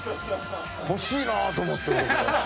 欲しいなと思って僕。